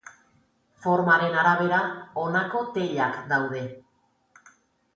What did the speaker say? Formaren arabera, honako teilak daude.